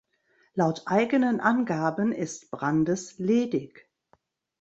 Laut eigenen Angaben ist Brandes ledig.